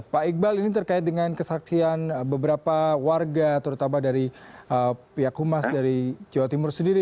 pak iqbal ini terkait dengan kesaksian beberapa warga terutama dari pihak humas dari jawa timur sendiri